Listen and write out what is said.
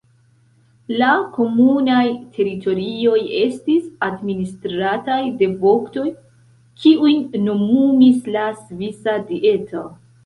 La komunaj teritorioj estis administrataj de voktoj, kiujn nomumis la Svisa Dieto.